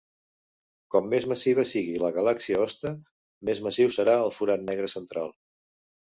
Com més massiva sigui la galàxia hoste, més massiu serà el forat negre central.